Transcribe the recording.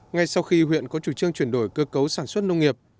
ngay sau khi huyện có chủ trương chuyển đổi cơ cấu sản xuất nông nghiệp